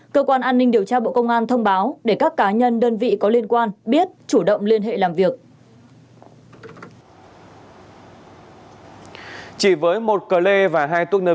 cơ quan an ninh điều tra bộ công an thông báo để các cá nhân đơn vị có liên quan biết chủ động liên hệ làm việc